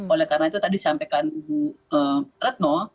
oleh karena itu tadi sampaikan bu retno